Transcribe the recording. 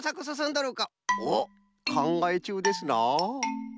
どるかおっかんがえちゅうですな。